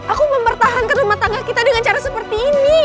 aku mempertahankan rumah tangga kita dengan cara seperti ini